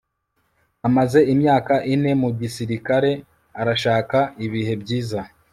Amaze imyaka ine mu gisirikare arashaka ibihe byiza